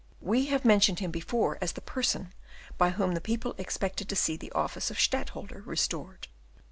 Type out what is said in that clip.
We have mentioned him before as the person by whom the people expected to see the office of Stadtholder restored.